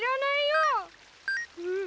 うん！